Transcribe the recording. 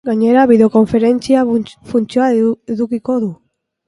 Gainera, bideokonferentzia funtzioa edukiko du.